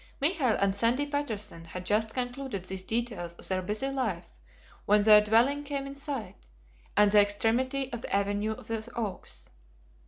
Michael and Sandy Patterson had just concluded these details of their busy life, when their dwelling came in sight, at the extremity of the avenue of the oaks.